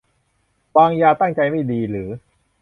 - วางยา ตั้งใจไม่ดี หรือ